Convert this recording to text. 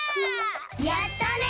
やったね！